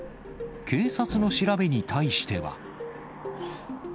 警察の調べに対しては。